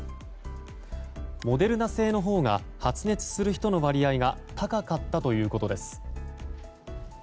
モデルナ製のほうが発熱する人の割合が低かったということです。